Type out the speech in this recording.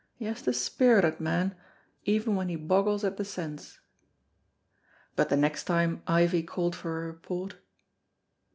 He has the spirit o't, man, even when he bogles at the sense." But the next time Ivie called for a report